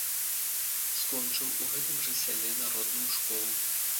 Скончыў у гэтым жа сяле народную школу.